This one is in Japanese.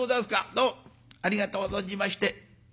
どうもありがとう存じまして。